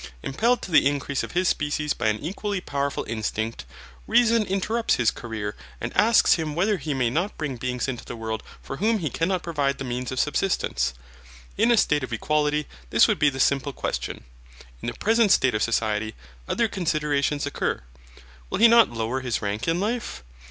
Impelled to the increase of his species by an equally powerful instinct, reason interrupts his career and asks him whether he may not bring beings into the world for whom he cannot provide the means of subsistence. In a state of equality, this would be the simple question. In the present state of society, other considerations occur. Will he not lower his rank in life?